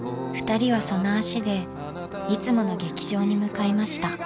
ふたりはその足でいつもの劇場に向かいました。